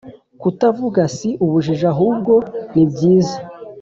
kutavuga si ubujiji ahubwo nibyiza